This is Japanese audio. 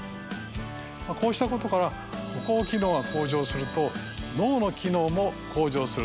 こうしたことから歩行機能が向上すると脳の機能も向上する。